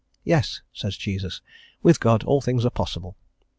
"Yes," says Jesus. "With God all things are possible."